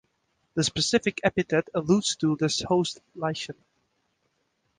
The specific epithet alludes to this host lichen.